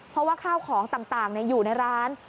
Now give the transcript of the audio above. เพราะว่าข้าวของต่างอยู่ในร้าน